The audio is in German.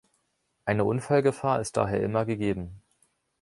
Eine Unfallgefahr ist daher immer gegeben.